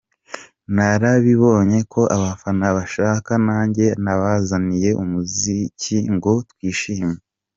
Narabibonye ko abafana banshaka, nanjye nabazaniye umuziki ngo twishime…”.